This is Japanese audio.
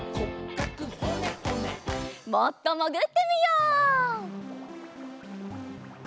もっともぐってみよう。